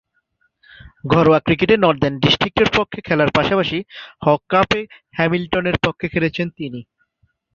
ঘরোয়া ক্রিকেটে নর্দার্ন ডিস্ট্রিক্টসের পক্ষে খেলার পাশাপাশি হক কাপে হ্যামিল্টনের পক্ষে খেলেছেন তিনি।